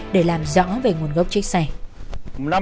để làm rõ về nguồn gốc chiếc xe